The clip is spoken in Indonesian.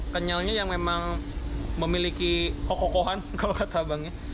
kenyalnya yang memang memiliki kokokohan kalau kata abangnya